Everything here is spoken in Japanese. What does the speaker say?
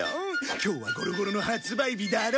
今日は『ゴロゴロ』の発売日だろ？